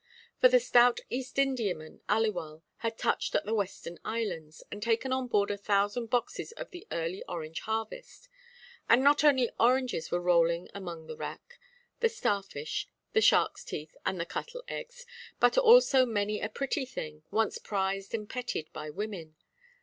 For the stout East Indiaman Aliwal had touched at the Western Islands, and taken on board a thousand boxes of the early orange harvest. And not only oranges were rolling among the wrack, the starfish, the sharkʼs teeth, and the cuttle–eggs, but also many a pretty thing, once prized and petted by women.